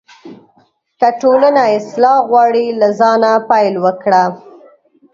که ټولنه اصلاح غواړې، له ځانه پیل وکړه.